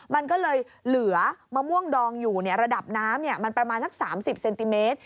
มันก็เลยเหลือมะม่วงดองอยู่ระดับน้ำมันประมาณสัก๓๐เซนติเมตร